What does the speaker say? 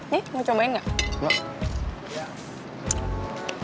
nih mau cobain gak